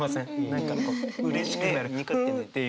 何かこううれしくなるニコっていう。